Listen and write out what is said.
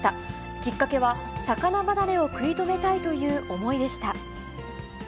きっかけは、魚離れを食い止めたいという思いでした。